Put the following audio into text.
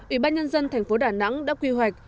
ủy ban nhân dân thành phố đà nẵng đã quy hoạch